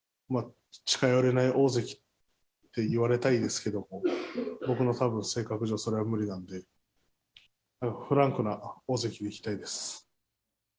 近寄れない大関って言われたいですけども、僕のたぶん性格上、それは無理なんで、フランクな大関でいきたいです。